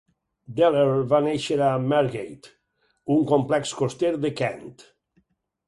Deller va néixer a Margate, un complex coster de Kent.